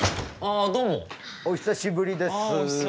あお久しぶりです。